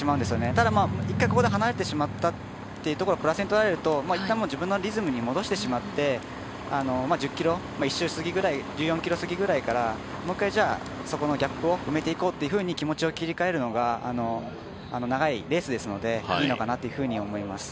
ただ、１回ここで離れてしまったっていうことをプラスに捉えるといったん自分のリズムに戻してしまって１０ｋｍ、１４ｋｍ過ぎくらいからそこのギャップを埋めていこうというふうに気持ちを切り替える方が長いレースですので、いいのかなというふうに思います。